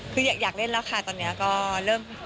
คืออยากเล่นแล้วค่ะตอนนี้ก็เริ่ม